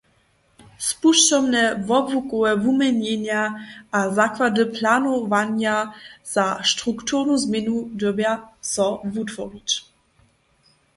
Spušćomne wobłukowe wuměnjenja a zakłady planowanja za strukturnu změnu dyrbja so wutworić.